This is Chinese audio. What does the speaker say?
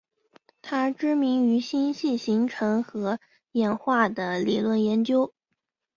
她知名于星系形成和演化的理论研究。